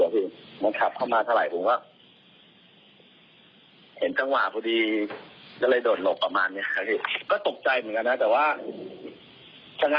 ไหลเริ่มไหลไม่เริ่มมันก็ใกล้ตัวก่อนพอก็จะโดดชง